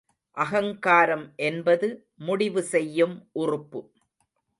அகங்காரம் என்பது முடிவு செய்யும் உறுப்பு.